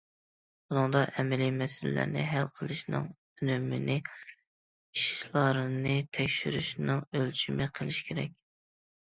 بۇنىڭدا، ئەمەلىي مەسىلىلەرنى ھەل قىلىشنىڭ ئۈنۈمىنى ئىشلارنى تەكشۈرۈشنىڭ ئۆلچىمى قىلىش كېرەك.